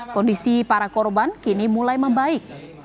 kondisi para korban kini mulai membaik